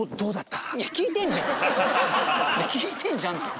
いや聞いてんじゃんって。